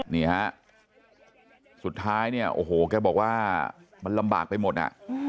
นี่ฮะสุดท้ายเนี่ยโอ้โหแกบอกว่ามันลำบากไปหมดอ่ะ